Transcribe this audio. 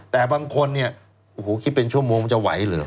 แต่บางคนคิดเป็นชั่วโมงมันจะไหวหรือ